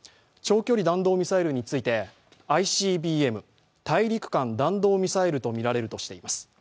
長距離弾道ミサイルについてＩＣＢＭ＝大陸間弾道ミサイルとみられるとしています。